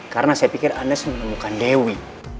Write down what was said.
karena saya pikir anda semuanya bukan dewi